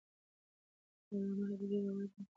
علامه حبیبي روایت نقل کړ.